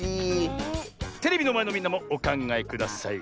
テレビのまえのみんなもおかんがえくださいね！